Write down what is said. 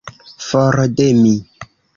For de mi!